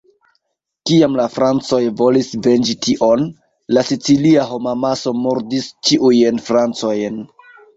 Kiam la francoj volis venĝi tion, la sicilia homamaso murdis ĉiujn francojn.